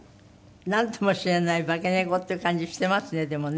なんとも知れない化け猫っていう感じしてますねでもね。